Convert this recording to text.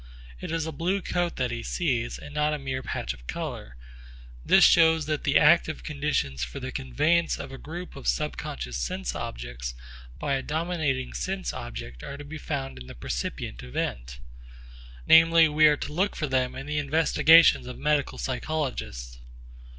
It is a blue coat that he sees and not a mere patch of colour. This shows that the active conditions for the conveyance of a group of subconscious sense objects by a dominating sense object are to be found in the percipient event. Namely we are to look for them in the investigations of medical psychologists.